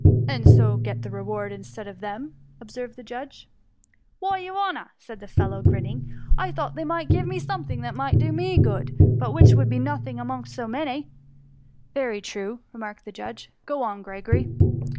'^ And so get the reward instead of them,"^ observed the judge. S8S tUS MUMIIT. it Why, your honour,^ said the fellow, grin« ning, *^ I thought they might give somethiog that might do me good, but which would be no^ thing amongst so many.^ " Very true ! remarked the judge ;*' Go on, Gregory.''